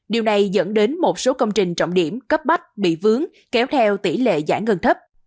điều này dẫn đến một số công trình trọng điểm cấp bách bị vướng kéo theo tỷ lệ giải ngân thấp